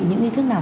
những ý thức nào